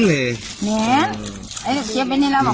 สวัสดีครับทุกคน